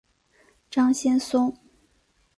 张先松。